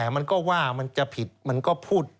มันก็ว่ามันจะผิดมันก็พูด